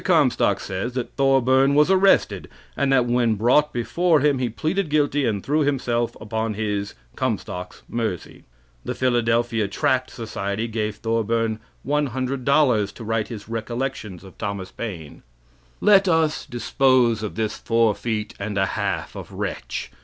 Comstock says that Thorburn was arrested, and that when brought before him he pleaded guilty and threw himself upon his (Comstock's) mercy. The Philadelphia Tract Society gave Thorburn $100 to write his recollections of Thomas Paine. Let us dispose of this four feet and a half of wretch.